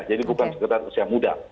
jadi bukan sekedar usia muda